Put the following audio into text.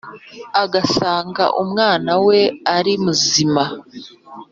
agasanga umwana we ari muzima